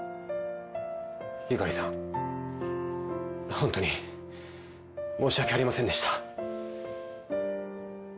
ホントに申し訳ありませんでした。